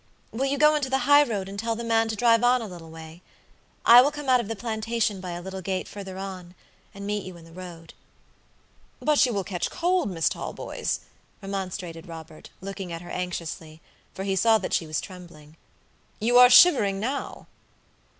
Will you go into the high road and tell the man to drive on a little way? I will come out of the plantation by a little gate further on, and meet you in the road." "But you will catch cold, Miss Talboys," remonstrated Robert, looking at her anxiously, for he saw that she was trembling. "You are shivering now."